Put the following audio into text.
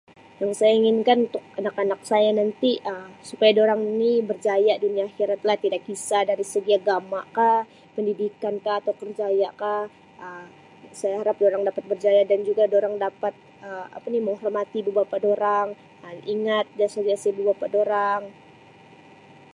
Yang saya inginkan untuk anak-anak saya nanti Um supaya diorang ini berjaya dunia akhirat lah tidak kisah dari segi agama kah pendidikan kah atau kerjaya kah Um saya harap dorang dapat berjaya dan juga dorang dapat Um apa ni menghormati ibu-bapa dorang Um ingat jasa jasa ibu-bapa dorang.